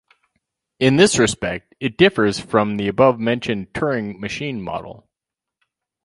In this respect, it differs from the above-mentioned Turing machine model.